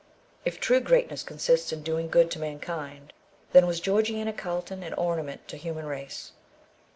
If true greatness consists in doing good to mankind, then was Georgiana Carlton an ornament to human nature.